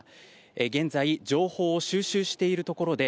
現在、情報を収集しているところです。